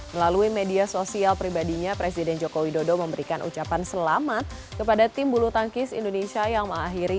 melalui media sosial pribadinya presiden joko widodo memberikan ucapan selamat kepada tim bulu tangkis indonesia yang mengakhiri